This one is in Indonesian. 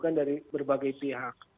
bukan dari berbagai pihak